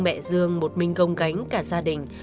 mẹ dương một mình gồng gánh cả gia đình